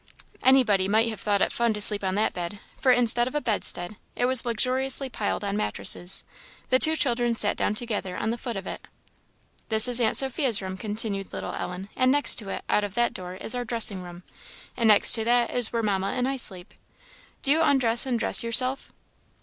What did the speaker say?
Anybody might have thought it fun to sleep on that bed, for, instead of a bedstead, it was luxuriously piled on mattresses. The two children sat down together on the foot of it. "This is aunt Sophia's room," continued little Ellen, "and next to it, out of that door, is our dressing room, and next to that is where Mamma and I sleep. Do you undress and dress yourself?"